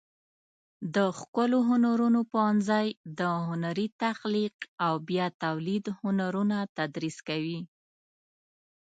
د ښکلو هنرونو پوهنځی د هنري تخلیق او بیا تولید هنرونه تدریس کوي.